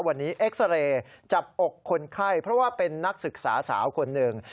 วันนี้เอ็กซาเรย์จับอกคนไข้เพราะว่าเป็นนักศึกษาสาวคนหนึ่ง